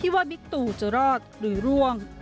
หุ่นจะรอดหรือร่วง